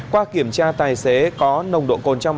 qua kiểm tra tài xế có nồng độ côn trọng